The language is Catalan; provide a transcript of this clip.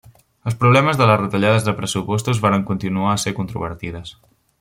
Els problemes de les retallades de pressupostos varen continuar a ser controvertides.